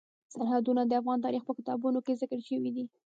سرحدونه د افغان تاریخ په کتابونو کې ذکر شوی دي.